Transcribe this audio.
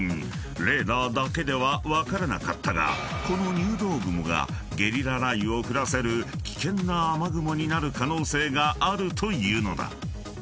［レーダーだけでは分からなかったがこの入道雲がゲリラ雷雨を降らせる危険な雨雲になる可能性があるというのだ］